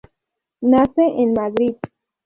Nace en Madrid.